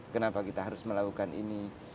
kenapa kita harus melakukan ini